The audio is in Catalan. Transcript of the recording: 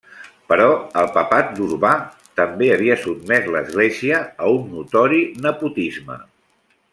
Però el papat d'Urbà també havia sotmès l'Església a un notori nepotisme.